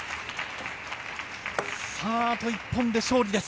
あと１本で勝利です。